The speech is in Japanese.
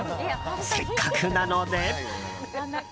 せっかくなので。